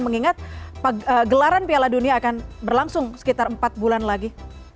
mengingat gelaran piala dunia akan berlangsung sekitar empat bulan lagi